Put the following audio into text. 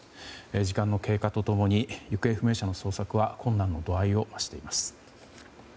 時間の経過と共に行方不明者の捜索は困難の度合いを増しています。